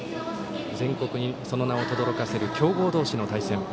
全国にその名をとどろかせる強豪同士の対戦。